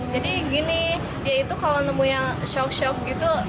jadi gini dia itu kalau nemunya shock shock gitu